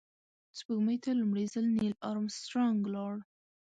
سپوږمۍ ته لومړی ځل نیل آرمسټرانګ لاړ